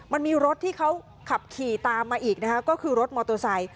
มันมีรถที่เขาขับขี่ตามมาอีกนะคะก็คือรถมอเตอร์ไซค